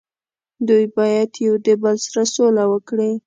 دوي باید یو د بل سره سوله وکړي